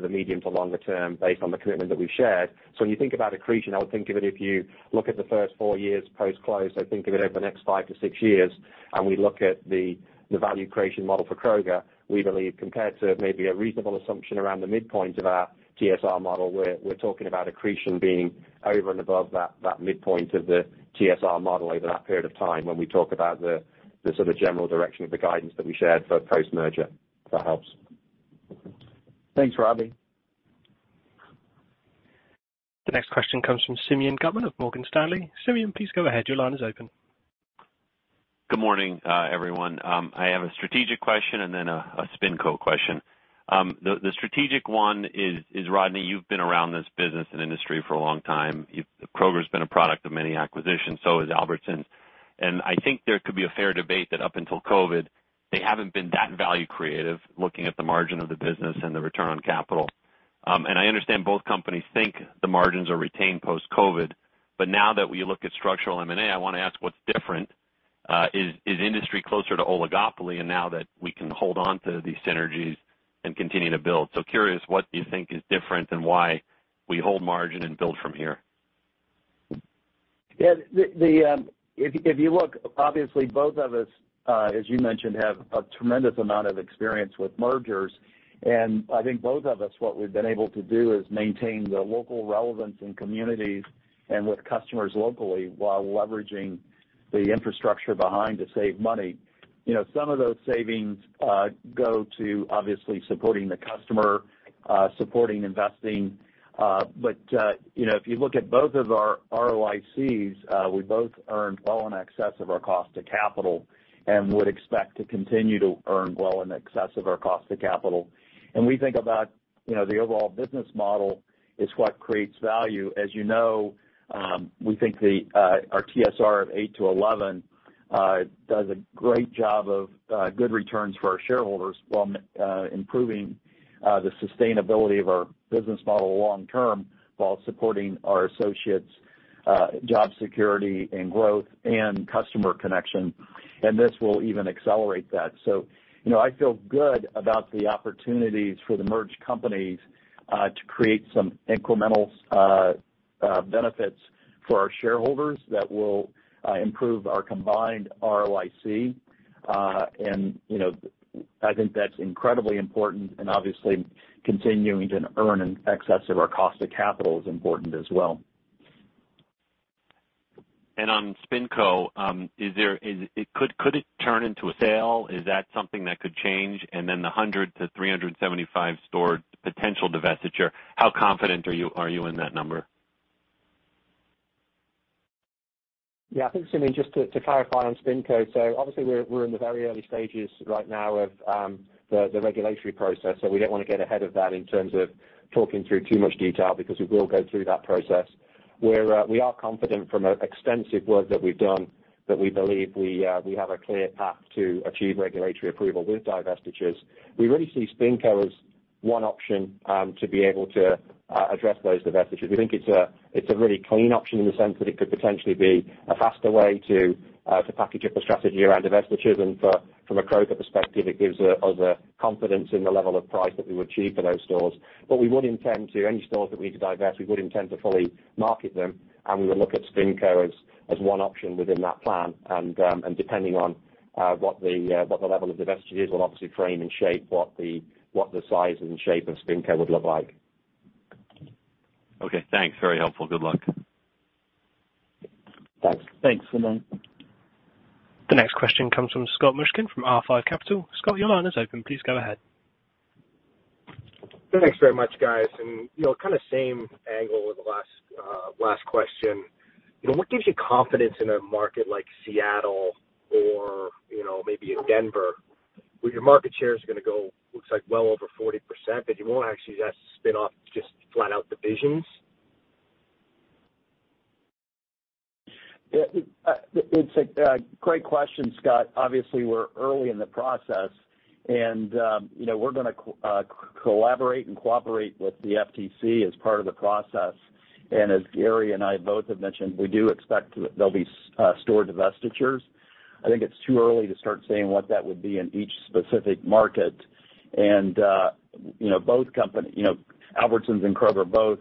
the medium to longer term based on the commitment that we've shared. When you think about accretion, I would think of it if you look at the first four years post-close, I think of it over the next 5-6 years, and we look at the value creation model for Kroger, we believe compared to maybe a reasonable assumption around the midpoint of our TSR model, we're talking about accretion being over and above that midpoint of the TSR model over that period of time when we talk about the sort of general direction of the guidance that we shared for post-merger, if that helps. Thanks, Robbie. The next question comes from Simeon Gutman of Morgan Stanley. Simeon, please go ahead. Your line is open. Good morning, everyone. I have a strategic question and then a SpinCo question. The strategic one is Rodney, you've been around this business and industry for a long time. Kroger's been a product of many acquisitions, so has Albertsons. I think there could be a fair debate that up until COVID, they haven't been that value creative looking at the margin of the business and the return on capital. I understand both companies think the margins are retained post-COVID, but now that we look at structural M&A, I wanna ask what's different. Is industry closer to oligopoly and now that we can hold on to these synergies and continue to build? Curious what you think is different and why we hold margin and build from here. Yeah. If you look, obviously both of us, as you mentioned, have a tremendous amount of experience with mergers. I think both of us, what we've been able to do is maintain the local relevance in communities and with customers locally while leveraging the infrastructure behind to save money. You know, some of those savings go to obviously supporting the customer, supporting investing. But you know, if you look at both of our ROICs, we both earned well in excess of our cost of capital and would expect to continue to earn well in excess of our cost of capital. We think about, you know, the overall business model is what creates value. As you know, we think the our TSR of 8%-11% does a great job of good returns for our shareholders while improving the sustainability of our business model long term while supporting our associates' job security and growth and customer connection. This will even accelerate that. You know, I feel good about the opportunities for the merged companies to create some incremental benefits for our shareholders that will improve our combined ROIC. You know, I think that's incredibly important and obviously continuing to earn in excess of our cost of capital is important as well. On SpinCo, could it turn into a sale? Is that something that could change? The 100- to 375-store potential divestiture, how confident are you in that number? Yeah, I think, Simeon, just to clarify on SpinCo. So obviously we're in the very early stages right now of the regulatory process, so we don't wanna get ahead of that in terms of talking through too much detail because we will go through that process. We're confident from an extensive work that we've done, that we believe we have a clear path to achieve regulatory approval with divestitures. We really see SpinCo as one option to be able to address those divestitures. We think it's a really clean option in the sense that it could potentially be a faster way to package up a strategy around divestitures. From a Kroger perspective, it gives us a confidence in the level of price that we would achieve for those stores. We would intend to fully market any stores that we need to divest, and we would look at SpinCo as one option within that plan. Depending on what the level of divestiture is, we'll obviously frame and shape what the size and shape of SpinCo would look like. Okay, thanks. Very helpful. Good luck. Thanks. Thanks, Simeon. The next question comes from Scott Mushkin from R5 Capital. Scott, your line is open. Please go ahead. Thanks very much, guys. You know, kind of same angle as the last question. You know, what gives you confidence in a market like Seattle or, you know, maybe in Denver, where your market share is gonna go, looks like well over 40%, that you won't actually have to spin off just flat out divisions? Yeah. It's a great question, Scott. Obviously, we're early in the process and, you know, we're gonna collaborate and cooperate with the FTC as part of the process. As Gary and I both have mentioned, we do expect there'll be store divestitures. I think it's too early to start saying what that would be in each specific market. You know, both companies, you know, Albertsons and Kroger both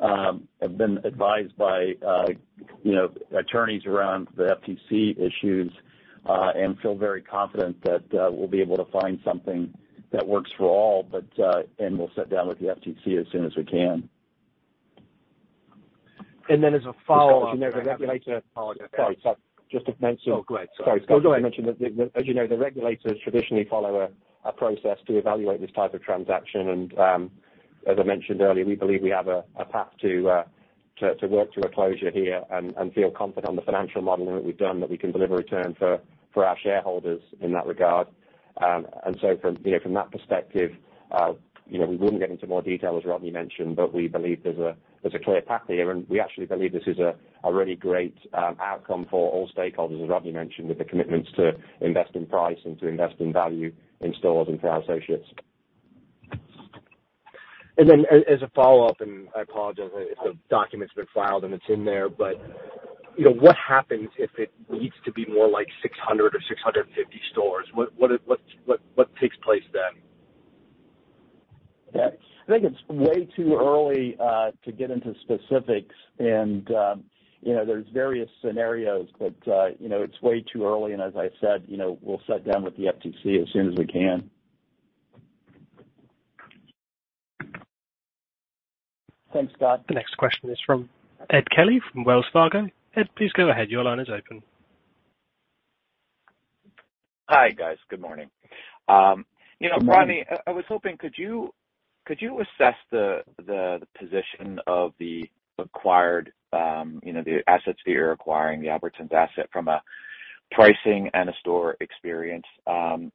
have been advised by, you know, attorneys around the FTC issues, and feel very confident that, we'll be able to find something that works for all, but we'll sit down with the FTC as soon as we can. as a follow-up. Sorry, Scott, just to mention. Oh, go ahead, sorry. Sorry. Scott, to mention that, as you know, the regulators traditionally follow a process to evaluate this type of transaction. As I mentioned earlier, we believe we have a path to work to a closure here and feel confident on the financial modeling that we've done that we can deliver return for our shareholders in that regard. From you know from that perspective, you know, we wouldn't get into more detail as Rodney mentioned, but we believe there's a clear path here. We actually believe this is a really great outcome for all stakeholders, as Rodney mentioned, with the commitments to invest in price and to invest in value in stores and for our associates. As a follow-up, and I apologize if the document's been filed and it's in there, but, you know, what happens if it needs to be more like 600 or 650 stores? What takes place then? Yeah. I think it's way too early to get into specifics. You know, there's various scenarios, but you know, it's way too early. As I said, you know, we'll sit down with the FTC as soon as we can. Thanks, Scott. The next question is from Edward Kelly from Wells Fargo. Ed, please go ahead. Your line is open. Hi, guys. Good morning. You know. Good morning. Rodney, I was hoping, could you assess the position of the acquired, you know, the assets that you're acquiring, the Albertsons assets from a pricing and a store experience,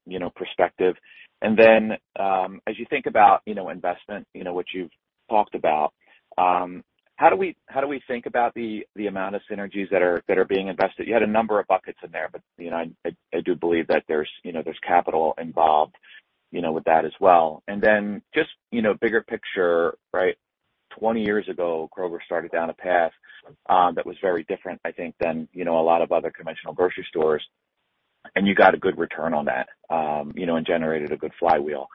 you know, perspective? Then, as you think about, you know, investment, you know, what you've talked about, how do we think about the amount of synergies that are being invested? You had a number of buckets in there, but, you know, I do believe that there's capital involved, you know, with that as well. Then just, you know, bigger picture, right? 20 years ago, Kroger started down a path that was very different, I think, than, you know, a lot of other conventional grocery stores, and you got a good return on that, you know, and generated a good flywheel.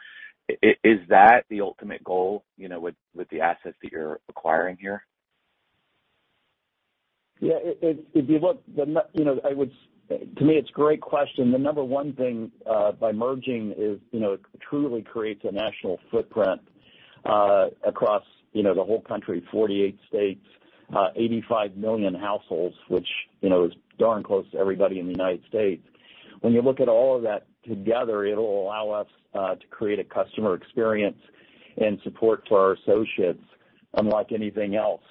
Is that the ultimate goal, you know, with the assets that you're acquiring here? Yeah. If you look, you know, to me, it's a great question. The number one thing by merging is, you know, it truly creates a national footprint across, you know, the whole country, 48 states, 85 million households, which you know, is darn close to everybody in the United States. When you look at all of that together, it'll allow us to create a customer experience and support for our associates unlike anything else.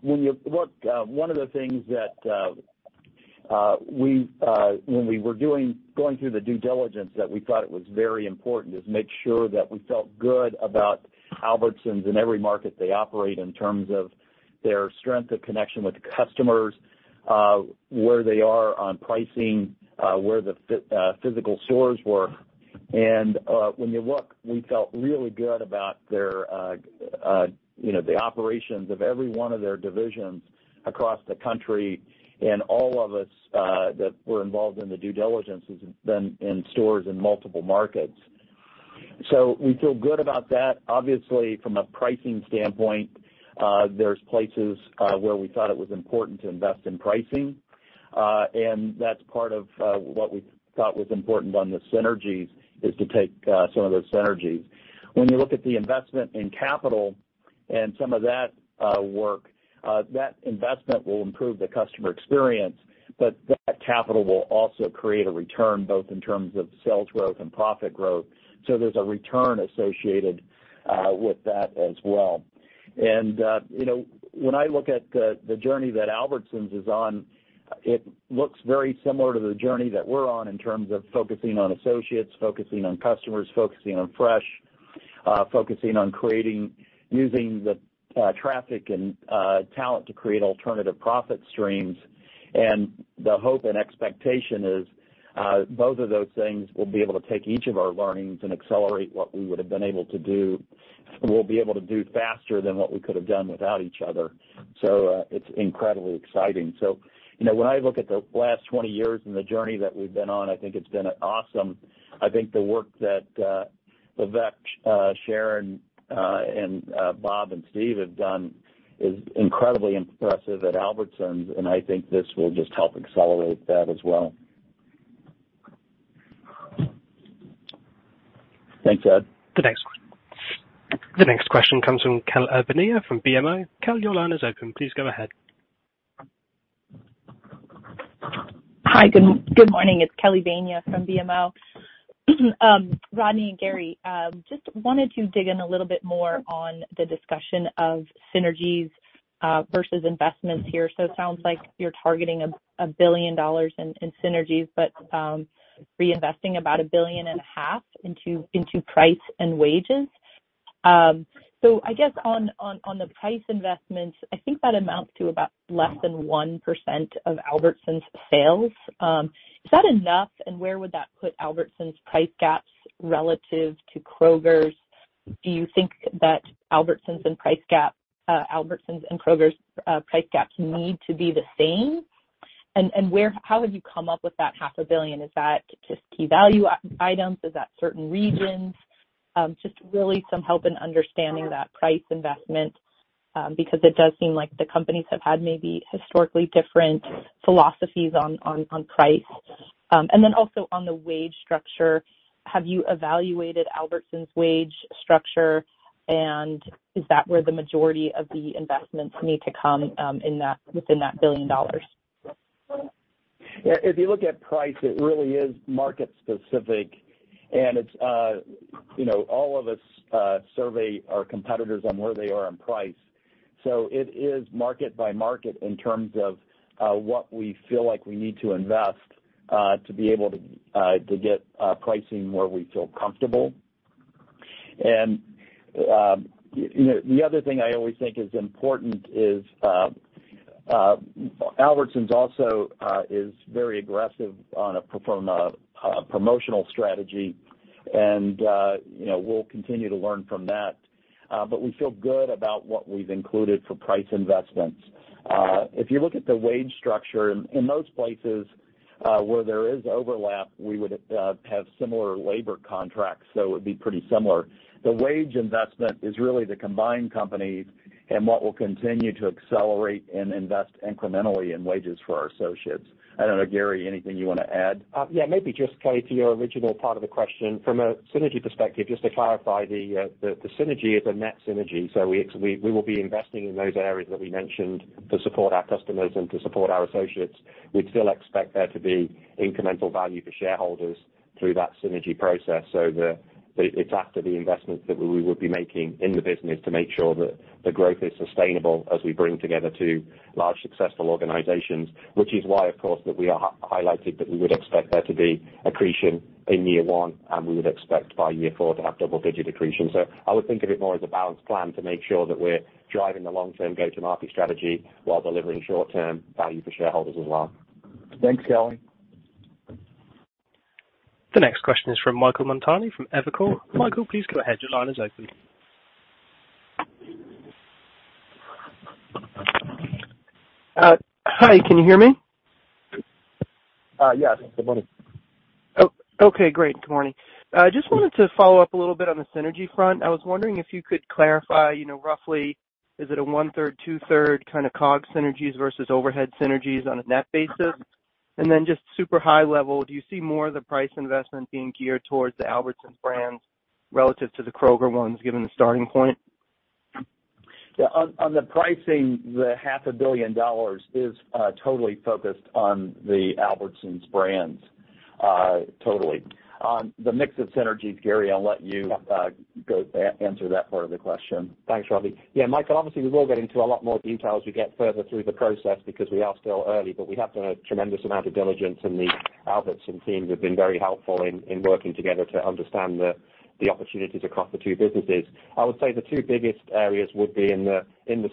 When you look, one of the things that we when we were going through the due diligence that we thought it was very important is make sure that we felt good about Albertsons in every market they operate in terms of their strength of connection with customers, where they are on pricing, where the physical stores were. When you look, we felt really good about their, you know, the operations of every one of their divisions across the country and all of us that were involved in the due diligence has been in stores in multiple markets. We feel good about that. Obviously, from a pricing standpoint, there's places where we thought it was important to invest in pricing and that's part of what we thought was important on the synergies is to take some of those synergies. When you look at the investment in capital and some of that work, that investment will improve the customer experience, but that capital will also create a return both in terms of sales growth and profit growth. There's a return associated with that as well. You know, when I look at the journey that Albertsons is on, it looks very similar to the journey that we're on in terms of focusing on associates, focusing on customers, focusing on fresh, focusing on using the traffic and talent to create alternative profit streams. The hope and expectation is both of those things will be able to take each of our learnings and accelerate what we would have been able to do, we'll be able to do faster than what we could have done without each other. It's incredibly exciting. You know, when I look at the last 20 years and the journey that we've been on, I think it's been awesome. I think the work that Vivek, Sharon, and Bob and Steve have done is incredibly impressive at Albertsons, and I think this will just help accelerate that as well. Thanks, Ed. The next question comes from Kelly Bania from BMO. Kelly, your line is open. Please go ahead. Hi, good morning. It's Kelly Bania from BMO. Rodney and Gary, just wanted to dig in a little bit more on the discussion of synergies versus investments here. It sounds like you're targeting $1 billion in synergies, but reinvesting about $1.5 billion into price and wages. I guess on the price investments, I think that amounts to about less than 1% of Albertsons sales. Is that enough? And where would that put Albertsons price gaps relative to Kroger's? Do you think that Albertsons' and Kroger's price gaps need to be the same? How have you come up with that half a billion? Is that just key value items? Is that certain regions? Just really some help in understanding that price investment, because it does seem like the companies have had maybe historically different philosophies on price. Then also on the wage structure, have you evaluated Albertsons wage structure and is that where the majority of the investments need to come in that within that billion dollars? Yeah. If you look at price, it really is market specific. It's, you know, all of us survey our competitors on where they are on price. It is market by market in terms of what we feel like we need to invest to be able to get pricing where we feel comfortable. You know, the other thing I always think is important is Albertsons also is very aggressive on a promotional strategy. You know, we'll continue to learn from that. We feel good about what we've included for price investments. If you look at the wage structure, in most places where there is overlap, we would have similar labor contracts, so it would be pretty similar. The wage investment is really the combined companies and what we'll continue to accelerate and invest incrementally in wages for our associates. I don't know, Gary, anything you wanna add? Yeah, maybe just, Kelly, to your original part of the question, from a synergy perspective, just to clarify the synergy is a net synergy, so we will be investing in those areas that we mentioned to support our customers and to support our associates. We'd still expect there to be incremental value for shareholders through that synergy process. It's after the investments that we would be making in the business to make sure that the growth is sustainable as we bring together two large successful organizations, which is why, of course, that we highlighted that we would expect there to be accretion in year one, and we would expect by year four to have double-digit accretion. I would think of it more as a balanced plan to make sure that we're driving the long-term go-to-market strategy while delivering short-term value for shareholders as well. Thanks, Kelly. The next question is from Michael Montani from Evercore. Michael, please go ahead. Your line is open. Hi, can you hear me? Yes. Good morning. Oh, okay, great. Good morning. I just wanted to follow up a little bit on the synergy front. I was wondering if you could clarify, you know, roughly is it a one-third, two-thirds kind of COGS synergies versus overhead synergies on a net basis? Just super high level, do you see more of the price investment being geared towards the Albertsons brands relative to the Kroger ones, given the starting point? Yeah. On the pricing, the half a billion dollars is totally focused on the Albertsons brands, totally. On the mix of synergies, Gary, I'll let you go answer that part of the question. Thanks, Rodney. Yeah, Michael, obviously we will get into a lot more detail as we get further through the process because we are still early, but we have done a tremendous amount of diligence, and the Albertsons teams have been very helpful in working together to understand the opportunities across the two businesses. I would say the two biggest areas would be in the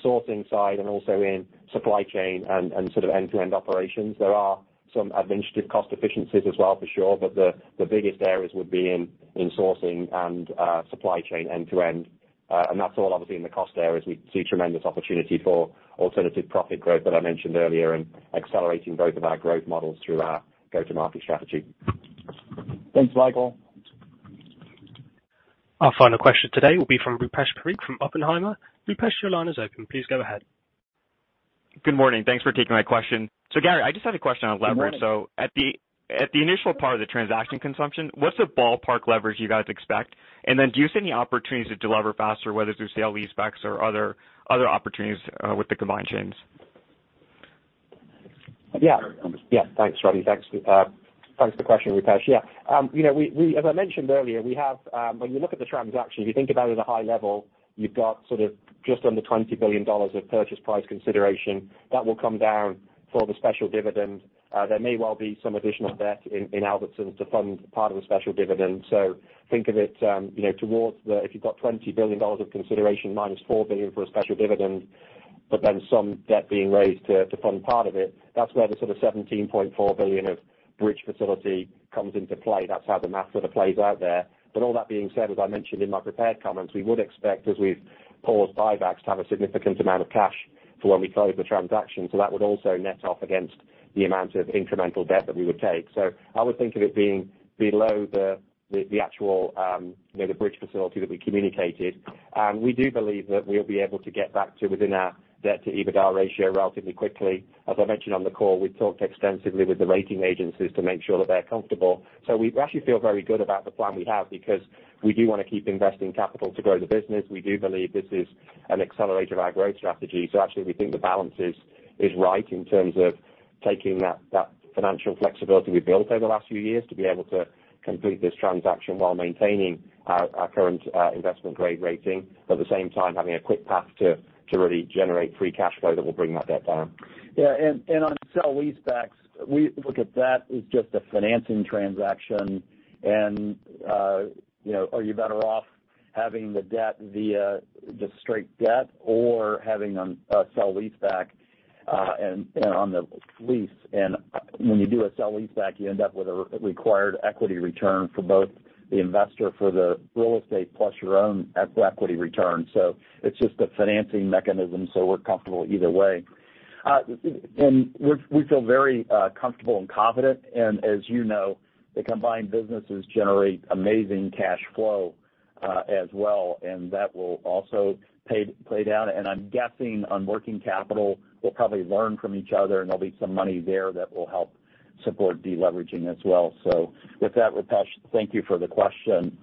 sourcing side and also in supply chain and sort of end-to-end operations. There are some administrative cost efficiencies as well for sure, but the biggest areas would be in sourcing and supply chain end to end. And that's all obviously in the cost areas. We see tremendous opportunity for alternative profit growth that I mentioned earlier and accelerating both of our growth models through our go-to-market strategy. Thanks, Michael. Our final question today will be from Rupesh Parikh from Oppenheimer. Rupesh, your line is open. Please go ahead. Good morning. Thanks for taking my question. Gary, I just had a question on leverage. Good morning. At the initial part of the transaction consummation, what's the ballpark leverage you guys expect? Do you see any opportunities to delever faster, whether through sale-leasebacks or other opportunities, with the combined chains? Thanks, Rodney. Thanks for the question, Rupesh. You know, as I mentioned earlier, we have when you look at the transaction, if you think about it at a high level, you've got sort of just under $20 billion of purchase price consideration that will come down for the special dividend. There may well be some additional debt in Albertsons to fund part of the special dividend. Think of it, you know, towards the, if you've got $20 billion of consideration minus $4 billion for a special dividend, but then some debt being raised to fund part of it, that's where the sort of $17.4 billion of bridge facility comes into play. That's how the math sort of plays out there. All that being said, as I mentioned in my prepared comments, we would expect, as we've paused buybacks, to have a significant amount of cash for when we close the transaction, so that would also net off against the amount of incremental debt that we would take. I would think of it being below the actual, you know, the bridge facility that we communicated. We do believe that we'll be able to get back to within our debt-to-EBITDA ratio relatively quickly. As I mentioned on the call, we've talked extensively with the rating agencies to make sure that they're comfortable. We actually feel very good about the plan we have because we do wanna keep investing capital to grow the business. We do believe this is an accelerator of our growth strategy. Actually we think the balance is right in terms of taking that financial flexibility we've built over the last few years to be able to complete this transaction while maintaining our current investment-grade rating. At the same time, having a clear path to really generate free cash flow that will bring that debt down. Yeah. On sale-leasebacks, we look at that as just a financing transaction and, you know, are you better off having the debt via just straight debt or having a sale-leaseback and on the lease. When you do a sale-leaseback, you end up with a required equity return for both the investor for the real estate plus your own equity return. It's just a financing mechanism, so we're comfortable either way. We feel very comfortable and confident. As you know, the combined businesses generate amazing cash flow as well, and that will also pay down. I'm guessing on working capital, we'll probably learn from each other and there'll be some money there that will help support de-leveraging as well. With that, Rupesh, thank you for the question.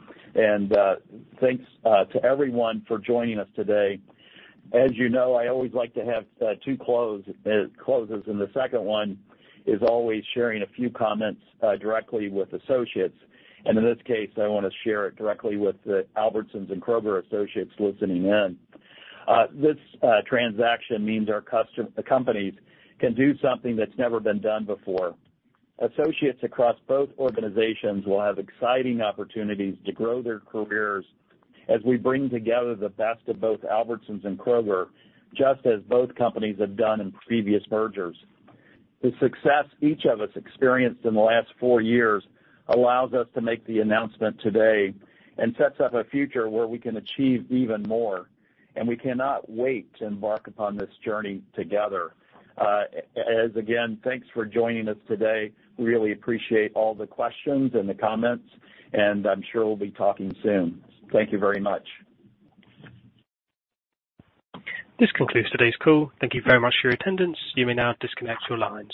Thanks to everyone for joining us today. As you know, I always like to have two closers, and the second one is always sharing a few comments directly with associates. In this case, I wanna share it directly with the Albertsons and Kroger associates listening in. This transaction means the companies can do something that's never been done before. Associates across both organizations will have exciting opportunities to grow their careers as we bring together the best of both Albertsons and Kroger, just as both companies have done in previous mergers. The success each of us experienced in the last four years allows us to make the announcement today and sets up a future where we can achieve even more, and we cannot wait to embark upon this journey together. And again, thanks for joining us today. Really appreciate all the questions and the comments, and I'm sure we'll be talking soon. Thank you very much. This concludes today's call. Thank you very much for your attendance. You may now disconnect your lines.